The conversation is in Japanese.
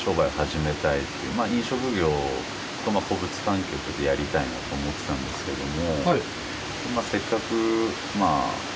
飲食業とやりたいなと思ってたんですけども。